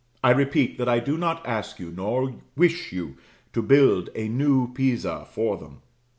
I repeat, that I do not ask you nor wish you to build a new Pisa for them.